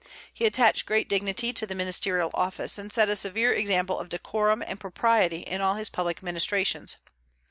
He attached great dignity to the ministerial office, and set a severe example of decorum and propriety in all his public ministrations.